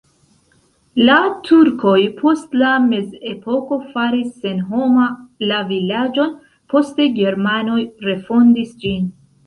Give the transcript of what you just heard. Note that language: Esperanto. La turkoj post la mezepoko faris senhoma la vilaĝon, poste germanoj refondis ĝin.